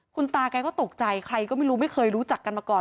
คุณตาแกก็ตกใจใครก็ไม่รู้ไม่เคยรู้จักกันมาก่อน